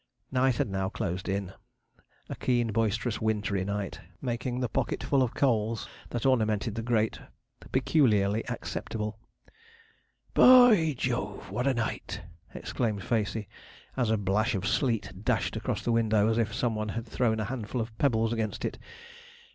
Night had now closed in a keen, boisterous, wintry night, making the pocketful of coals that ornamented the grate peculiarly acceptable. 'B o y Jove, what a night!' exclaimed Facey, as a blash of sleet dashed across the window as if some one had thrown a handful of pebbles against it.